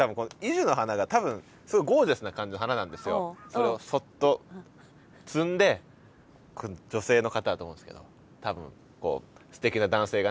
それをそっと摘んで女性の方だと思うんですけど多分こうすてきな男性がね